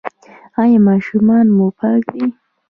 ایا ماشومان مو پاک دي؟